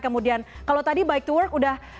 kemudian kalau tadi bike to work sudah